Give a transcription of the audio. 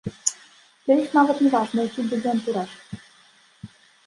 Для іх нават не важна, які будзе антураж.